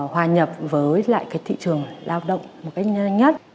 hòa nhập với lại cái thị trường lao động một cách nhanh nhất